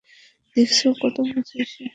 দেখেছো কত বোঝে সে?